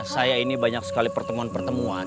saya ini banyak sekali pertemuan pertemuan